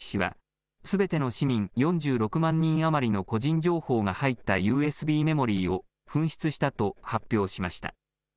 兵庫県尼崎市は、すべての市民４６万人余りの個人情報が入ったＵＳＢメモリーを紛失したと発表しました。